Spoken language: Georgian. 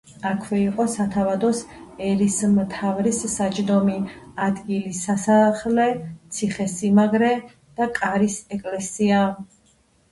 აქვე იყო სათავადოს ერისმთავრის საჯდომი ადგილი, სასახლე, ციხე-სიმაგრე და კარის ეკლესია.